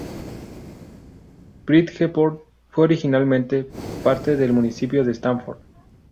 Bridgeport fue originalmente parte del municipio de Stratford.